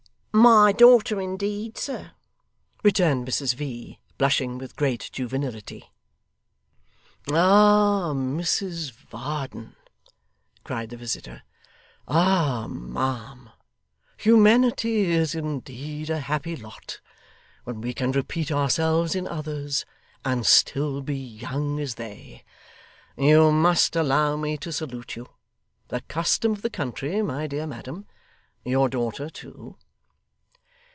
'My daughter, indeed, sir,' returned Mrs V., blushing with great juvenility. 'Ah, Mrs Varden!' cried the visitor. 'Ah, ma'am humanity is indeed a happy lot, when we can repeat ourselves in others, and still be young as they. You must allow me to salute you the custom of the country, my dear madam your daughter too.